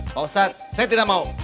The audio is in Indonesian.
pak ustadz saya tidak mau